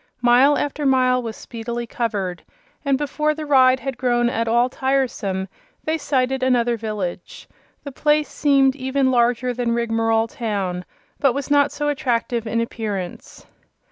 Mile after mile was speedily covered, and before the ride had grown at all tiresome they sighted another village. The place seemed even larger than Rigmarole Town, but was not so attractive in appearance.